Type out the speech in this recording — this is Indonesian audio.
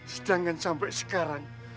sedangkan sampai sekarang